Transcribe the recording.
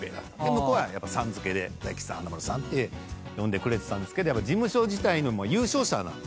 向こうはさん付けで大吉さん華丸さんって呼んでくれてたんですけど事務所自体の優勝者なんで。